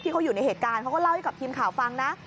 เขาอยู่ในเหตุการณ์เขาก็เล่าให้กับทีมข่าวฟังนะ